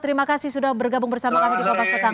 terima kasih sudah bergabung bersama kami di kopas petang